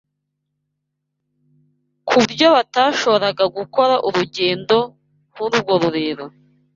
ku buryo batashoboraga gukora urugendo nk’urwo rurerure